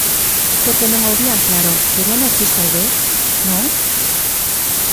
Porque non o vían claro; veríano gris talvez, ¿non?